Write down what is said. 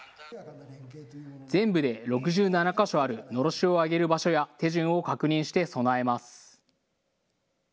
全部で６７か所あるのろしを上げる場所や手順を確認して備えます。